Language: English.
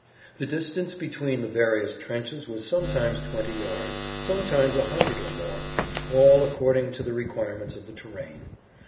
The distance between the various trenches was sometimes 20 yards, sometimes a hundred and more, all according to the requirements of the terrain.